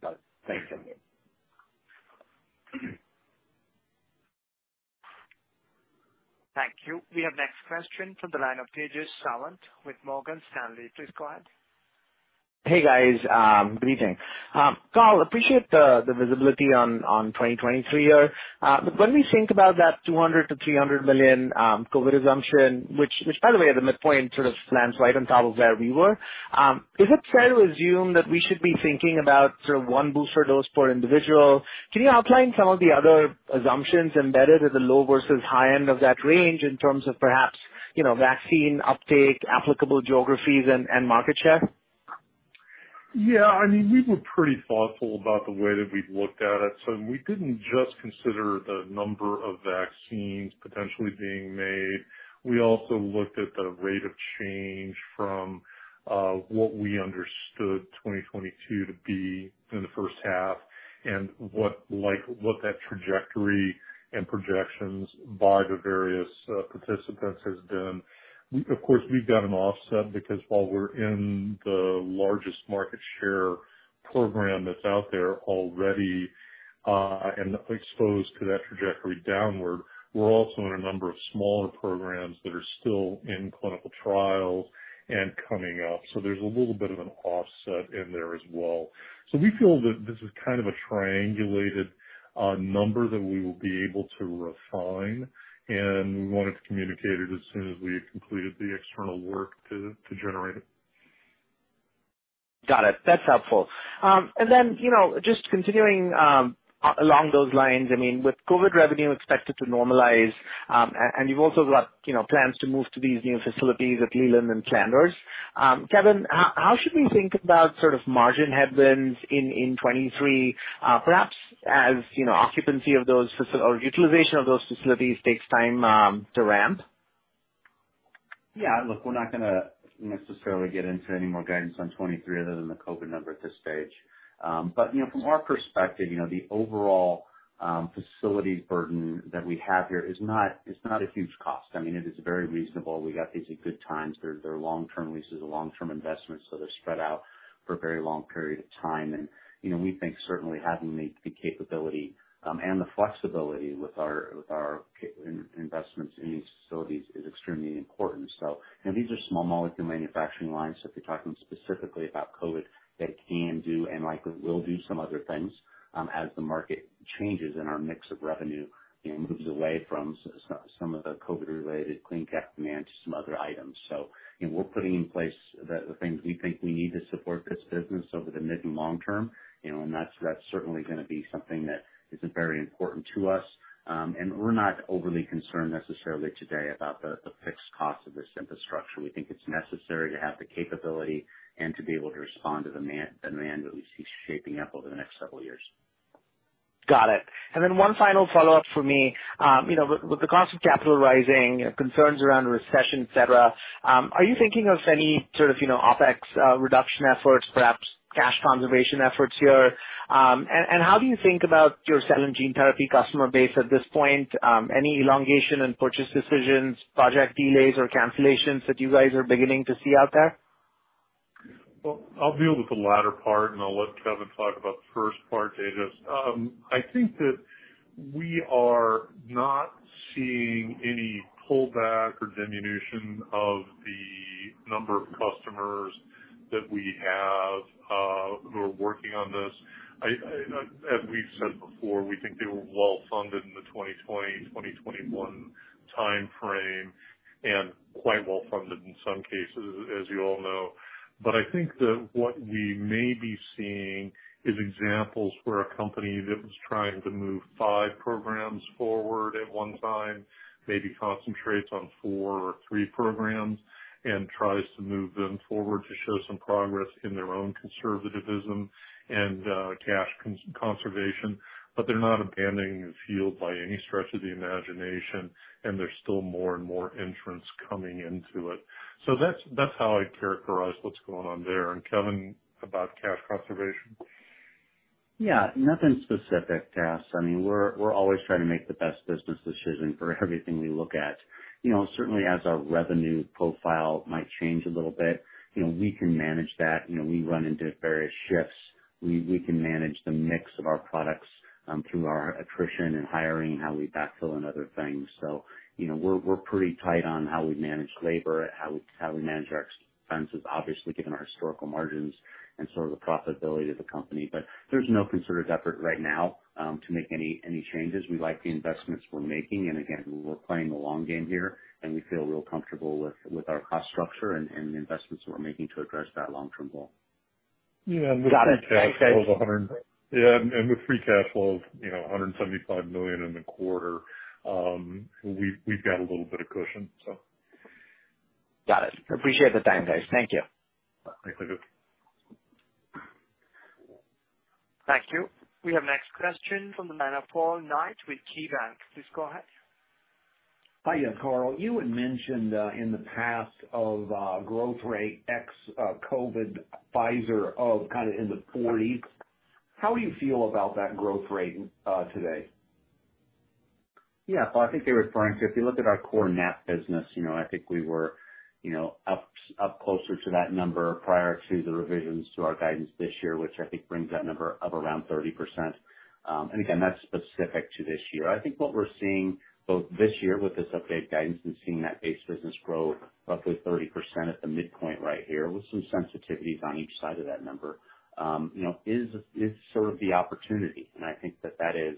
Got it. Thank you. Thank you. We have next question from the line of Tejas Savant with Morgan Stanley. Please go ahead. Hey, guys, good evening. Carl, appreciate the visibility on 2023 year. When we think about that $200 million-$300 million COVID assumption, which by the way, at the midpoint sort of lands right on top of where we were, is it fair to assume that we should be thinking about sort of one booster dose per individual? Can you outline some of the other assumptions embedded at the low versus high end of that range in terms of perhaps, you know, vaccine uptake, applicable geographies and market share? Yeah. I mean, we were pretty thoughtful about the way that we've looked at it. We didn't just consider the number of vaccines potentially being made. We also looked at the rate of change from what we understood 2022 to be in the first half and what, like, that trajectory and projections by the various participants has been. Of course, we've got an offset because while we're in the largest market share program that's out there already and exposed to that trajectory downward, we're also in a number of smaller programs that are still in clinical trials and coming up. There's a little bit of an offset in there as well. We feel that this is kind of a triangulated number that we will be able to refine, and we wanted to communicate it as soon as we had completed the external work to generate it. Got it. That's helpful. You know, just continuing along those lines, I mean, with COVID revenue expected to normalize, and you've also got, you know, plans to move to these new facilities at Leland and Flanders, Kevin, how should we think about sort of margin headwinds in 2023, perhaps as, you know, occupancy of those facilities or utilization of those facilities takes time to ramp? Yeah. Look, we're not gonna necessarily get into any more guidance on 2023 other than the COVID number at this stage. But, you know, from our perspective, you know, the overall facility burden that we have here is not. It's not a huge cost. I mean, it is very reasonable. We got these at good times. They're long-term leases, long-term investments, so they're spread out for a very long period of time. You know, we think certainly having the capability and the flexibility with our capital investments in these facilities is extremely important. You know, these are small molecule manufacturing lines. If you're talking specifically about COVID, they can do and likely will do some other things, as the market changes and our mix of revenue, you know, moves away from some of the COVID-related CleanCap demand to some other items. You know, we're putting in place the things we think we need to support this business over the mid- and long-term, you know, and that's certainly gonna be something that is very important to us. We're not overly concerned necessarily today about the fixed cost of this infrastructure. We think it's necessary to have the capability and to be able to respond to demand, the demand that we see shaping up over the next several years. Got it. One final follow-up for me. You know, with the cost of capital rising, concerns around recession, et cetera, are you thinking of any sort of, you know, OpEx reduction efforts, perhaps cash conservation efforts here? And how do you think about your cell and gene therapy customer base at this point? Any elongation in purchase decisions, project delays or cancellations that you guys are beginning to see out there? Well, I'll deal with the latter part, and I'll let Kevin talk about the first part, Tejas. I think that we are not seeing any pullback or diminution of the number of customers that we have who are working on this. As we've said before, we think they were well-funded in the 2020-2021 timeframe, and quite well-funded in some cases, as you all know. I think that what we may be seeing is examples where a company that was trying to move five programs forward at one time maybe concentrates on four or three programs and tries to move them forward to show some progress in their own conservatism and cash conservation, but they're not abandoning the field by any stretch of the imagination, and there's still more and more entrants coming into it. That's how I'd characterize what's going on there. Kevin, about cash conservation. Yeah, nothing specific, Tejas. I mean, we're always trying to make the best business decision for everything we look at. You know, certainly as our revenue profile might change a little bit, you know, we can manage that. You know, we run into various shifts. We can manage the mix of our products through our attrition and hiring, how we backfill and other things. You know, we're pretty tight on how we manage labor, how we manage our expenses, obviously, given our historical margins and sort of the profitability of the company. There's no concerted effort right now to make any changes. We like the investments we're making, and again, we're playing the long game here, and we feel real comfortable with our cost structure and the investments we're making to address that long-term goal. Yeah. Got it. Yeah, with free cash flow of, you know, $175 million in the quarter, we've got a little bit of cushion, so. Got it. Appreciate the time, guys. Thank you. Thanks again. Thank you. We have next question from the line of Paul Knight with KeyBanc. Please go ahead. Hi. Yeah, Carl, you had mentioned in the past of growth rate ex COVID Pfizer of kind of in the 40s. How do you feel about that growth rate today? Yeah. Well, I think they were referring to, if you look at our core NAP business, you know, I think we were, you know, up closer to that number prior to the revisions to our guidance this year, which I think brings that number up around 30%. Again, that's specific to this year. I think what we're seeing both this year with this updated guidance and seeing that base business grow roughly 30% at the midpoint right here, with some sensitivities on each side of that number, you know, is sort of the opportunity. I think that is,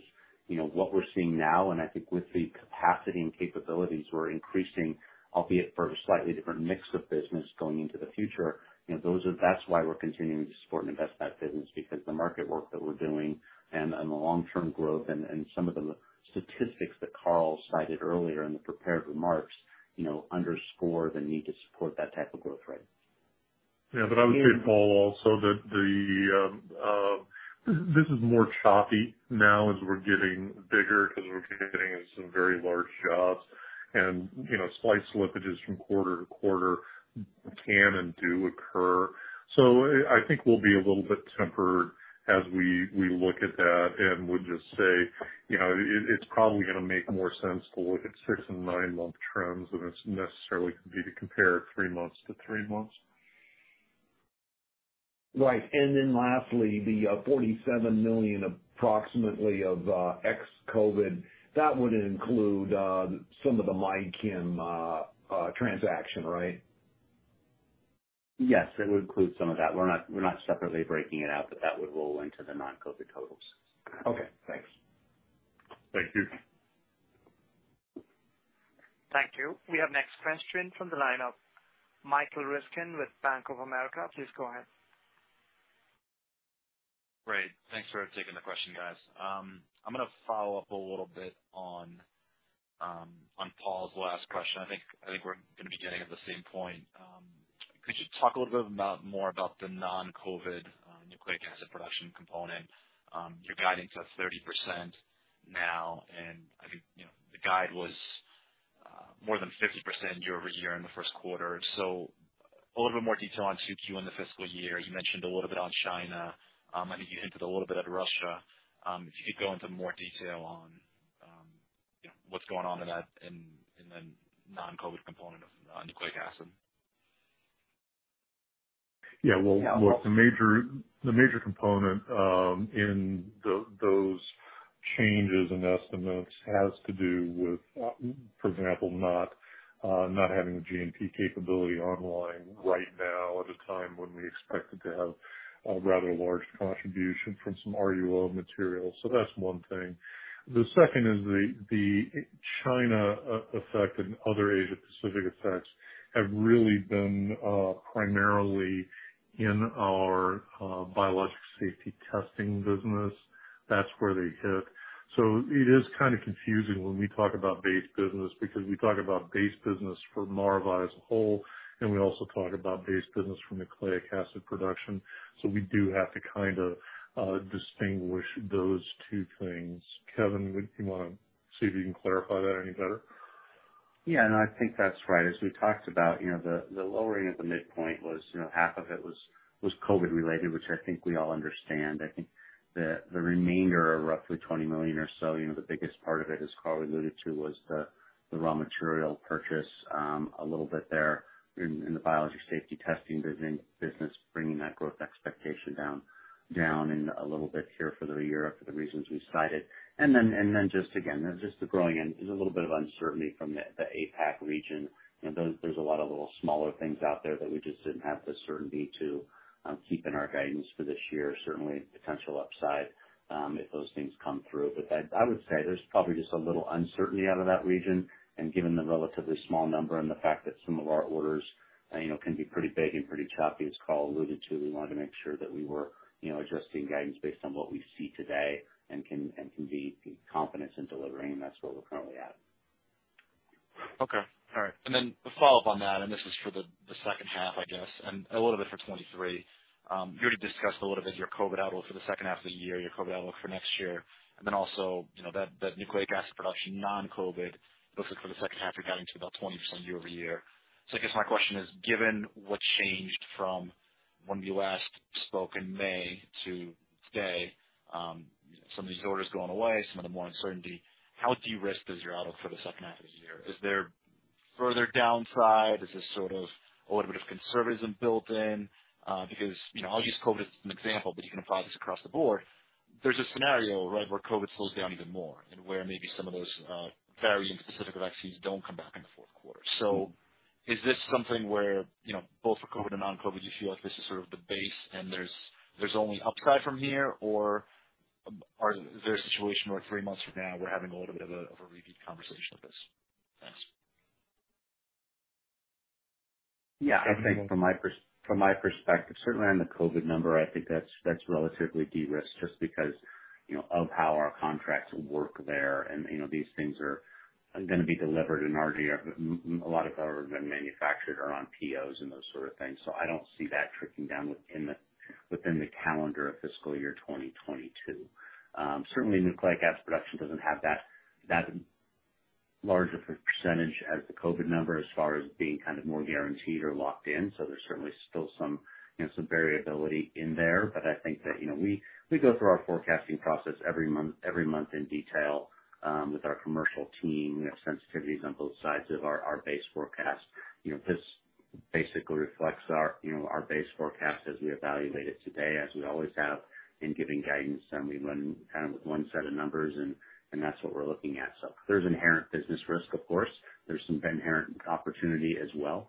you know, what we're seeing now, and I think with the capacity and capabilities we're increasing, albeit for a slightly different mix of business going into the future, you know, that's why we're continuing to support and invest that business because the market work that we're doing and the long-term growth and some of the statistics that Carl cited earlier in the prepared remarks, you know, underscore the need to support that type of growth rate. Yeah. I would say, Paul, also that the, this is more choppy now as we're getting bigger because we're getting some very large jobs. You know, slight slippages from quarter-to-quarter can and do occur. I think we'll be a little bit tempered as we look at that and would just say, you know, it's probably gonna make more sense to look at six and nine-month trends than it's necessarily gonna be to compare three months to three months. Right. Lastly, the $47 million approximately of ex-COVID that would include some of the MyChem transaction, right? Yes, it would include some of that. We're not separately breaking it out, but that would roll into the non-COVID totals. Okay. Thanks. Thank you. Thank you. We have next question from the line of Michael Ryskin with Bank of America. Please go ahead. Great. Thanks for taking the question, guys. I'm gonna follow up a little bit on Paul's last question. I think we're gonna be getting at the same point. Could you talk a little bit about more about the non-COVID Nucleic Acid Production component? Your guidance is at 30% now, and I think you know the guide was more than 50% year-over-year in the first quarter. A little bit more detail on 2Q and the fiscal year. You mentioned a little bit on China. I think you hinted a little bit at Russia. If you could go into more detail on you know what's going on in that and in the non-COVID component of nucleic acid. Well, look, the major component in those changes in estimates has to do with, for example, not having the GMP capability online right now at a time when we expected to have a rather large contribution from some RUO materials. That's one thing. The second is the China effect and other Asia Pacific effects have really been primarily in our Biologics Safety Testing business. That's where they hit. It is kind of confusing when we talk about base business because we talk about base business for Maravai as a whole, and we also talk about base business for Nucleic Acid Production. We do have to kind of distinguish those two things. Kevin, would you want to see if you can clarify that any better? Yeah. No, I think that's right. As we talked about, you know, the lowering of the midpoint was, you know, half of it was COVID related, which I think we all understand. I think the remainder of roughly $20 million or so, you know, the biggest part of it, as Carl alluded to, was the raw material purchase, a little bit there in the Biologics Safety Testing business, bringing that growth expectation down a little bit here for the year for the reasons we cited. Then just again, just the growing and there's a little bit of uncertainty from the APAC region. You know, there's a lot of little smaller things out there that we just didn't have the certainty to keep in our guidance for this year. Certainly potential upside, if those things come through. I would say there's probably just a little uncertainty out of that region, and given the relatively small number and the fact that some of our orders, you know, can be pretty big and pretty choppy, as Carl alluded to, we wanted to make sure that we were, you know, adjusting guidance based on what we see today and can be confident in delivering. That's where we're currently at. Okay. All right. Then a follow-up on that, and this is for the second half I guess, and a little bit for 2023. You already discussed a little bit your COVID outlook for the second half of the year, your COVID outlook for next year, and then also, you know, that Nucleic Acid Production non-COVID looks like for the second half you're guiding to about 20% year-over-year. I guess my question is, given what's changed from when you last spoke in May to today, some more uncertainty, how at risk is your outlook for the second half of this year? Is there further downside. Is this sort of a little bit of conservatism built in? Because, you know, I'll use COVID as an example, but you can apply this across the board. There's a scenario, right, where COVID slows down even more and where maybe some of those variant-specific vaccines don't come back in the fourth quarter. Is this something where, you know, both for COVID and non-COVID, you feel like this is sort of the base and there's only upside from here? Or is there a situation where three months from now we're having a little bit of a repeat conversation of this? Thanks. Yeah, I think from my perspective, certainly on the COVID number, I think that's relatively de-risked just because, you know, of how our contracts work there. You know, these things are gonna be delivered in our year. A lot of them have been manufactured or are on POs and those sort of things. I don't see that trickling down within the calendar of fiscal year 2022. Certainly, Nucleic Acid Production doesn't have that large of a percentage as the COVID number as far as being kind of more guaranteed or locked in. There's certainly still some, you know, some variability in there. I think that, you know, we go through our forecasting process every month in detail with our commercial team. We have sensitivities on both sides of our base forecast. You know, this basically reflects our, you know, our base forecast as we evaluate it today, as we always have in giving guidance. We run kind of with one set of numbers and that's what we're looking at. There's inherent business risk, of course. There's some inherent opportunity as well.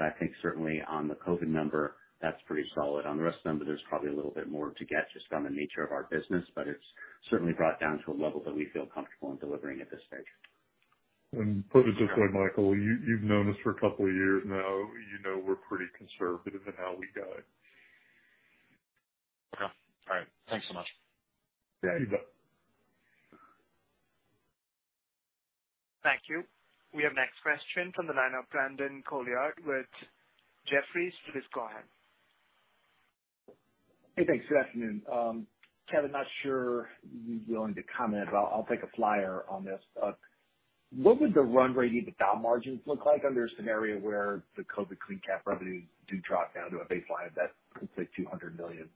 I think certainly on the COVID number, that's pretty solid. On the rest of them, there's probably a little bit more to get just on the nature of our business, but it's certainly brought down to a level that we feel comfortable in delivering at this stage. Put it this way, Michael, you've known us for a couple of years now. You know we're pretty conservative in how we guide. Okay. All right. Thanks so much. Yeah. You bet. Thank you. We have next question from the line of Brandon Couillard with Jefferies. Please go ahead. Hey, thanks. Good afternoon. Kevin, not sure you're willing to comment, but I'll take a flyer on this. What would the run rate EBITDA margins look like under a scenario where the COVID CleanCap revenues do drop down to a baseline of that, let's say, $200 million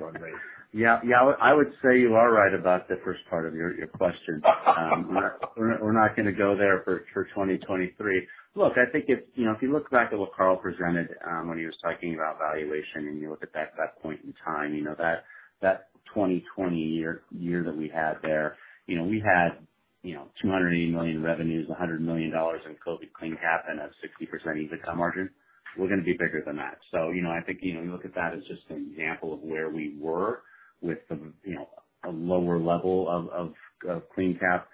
run rate? Yeah. Yeah, I would say you are right about the first part of your question. We're not gonna go there for 2023. Look, I think if you know if you look back at what Carl presented, when he was talking about valuation and you look at that point in time you know that 2020 year that we had there you know we had you know 280 million revenues, $100 million in COVID CleanCap and a 60% EBITDA margin. We're gonna be bigger than that. You know I think you look at that as just an example of where we were with a lower level of CleanCap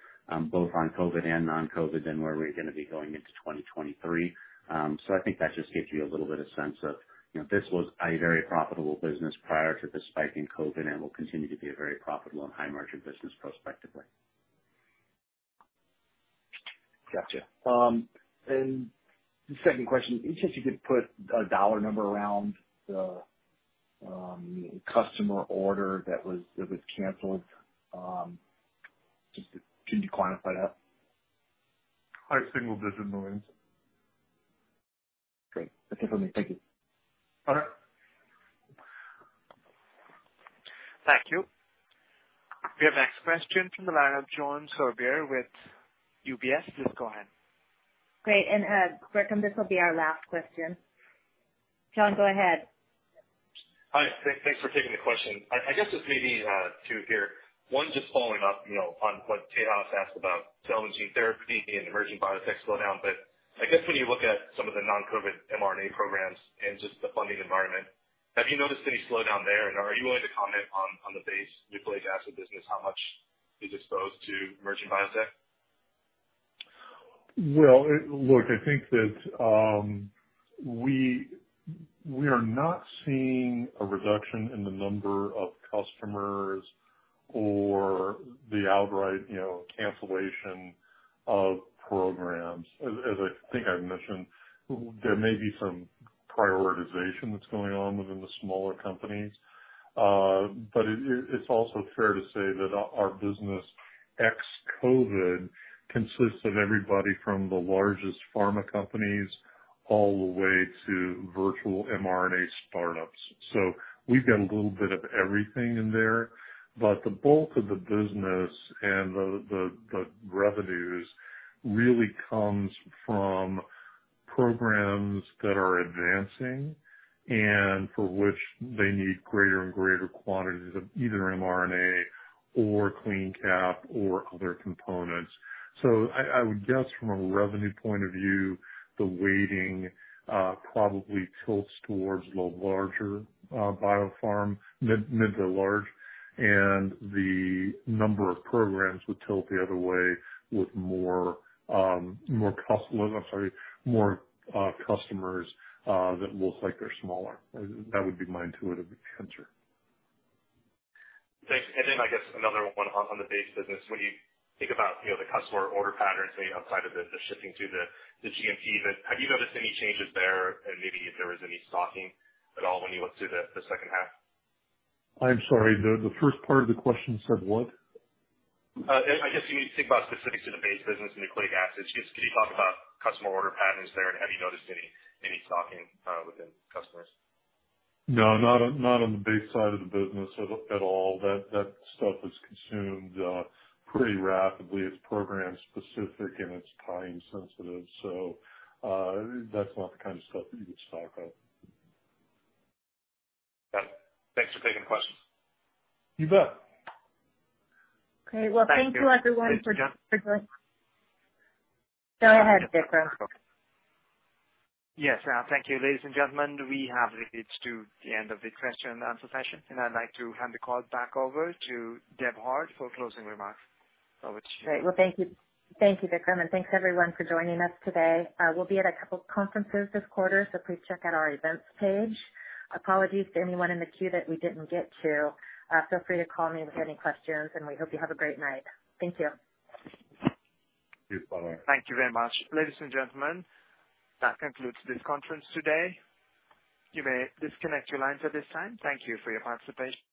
both on COVID and non-COVID than where we're gonna be going into 2023. I think that just gives you a little bit of sense of, you know, this was a very profitable business prior to the spike in COVID and will continue to be a very profitable and high margin business prospectively. Gotcha. The second question, any chance you could put a dollar number around the customer order that was canceled? Can you quantify that? High single-digit millions. Great. That's it for me. Thank you. All right. Thank you. We have next question from the line of John Sourbeer with UBS. Please go ahead. Great. Vikram, this will be our last question. John, go ahead. Hi. Thanks for taking the question. I guess this may be two here. One, just following up, you know, on what Tejas asked about cell and gene therapy and emerging biotech slowdown. I guess when you look at some of the non-COVID mRNA programs and just the funding environment, have you noticed any slowdown there? And are you willing to comment on the Base Nucleic Acid business, how much you're exposed to emerging biotech? Well, Look, I think that we are not seeing a reduction in the number of customers or the outright, you know, cancellation of programs. As I think I've mentioned, there may be some prioritization that's going on within the smaller companies. It's also fair to say that our business, ex-COVID, consists of everybody from the largest pharma companies all the way to virtual mRNA startups. We've got a little bit of everything in there. The bulk of the business and the revenues really comes from programs that are advancing and for which they need greater and greater quantities of either mRNA or CleanCap or other components. I would guess from a revenue point of view, the weighting probably tilts towards the larger biopharm, mid to large, and the number of programs would tilt the other way with more customers that look like they're smaller. That would be my intuitive answer. Thanks. I guess another one on the base business. When you think about, you know, the customer order patterns outside of the shifting to the GMP. Have you noticed any changes there and maybe if there is any stocking at all when you look to the second half? I'm sorry, the first part of the question said what? I guess if you think about specifics to the base business, nucleic acids, just can you talk about customer order patterns there? Have you noticed any stocking within customers? No, not on the base side of the business at all. That stuff is consumed pretty rapidly. It's program specific and it's time sensitive. That's not the kind of stuff that you would stock up. Got it. Thanks for taking the question. You bet. Okay. Well, thank you everyone for Thank you. Go ahead, Vikram. Yes. Thank you, ladies and gentlemen. We have reached the end of the question and answer session, and I'd like to hand the call back over to Deb Hart for closing remarks. Over to you. Great. Well, thank you. Thank you, Vikram. Thanks, everyone, for joining us today. We'll be at a couple conferences this quarter, so please check out our events page. Apologies to anyone in the queue that we didn't get to. Feel free to call me with any questions and we hope you have a great night. Thank you. Yes. Bye-bye. Thank you very much. Ladies and gentlemen, that concludes this conference today. You may disconnect your lines at this time. Thank you for your participation.